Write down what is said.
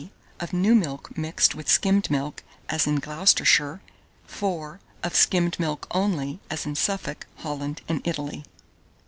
of new milk mixed with skimmed milk, as in Gloucestershire; 4. of skimmed milk only, as in Suffolk, Holland, and Italy.